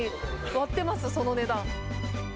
割ってます、その値段。